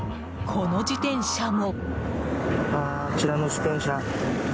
この自転車も。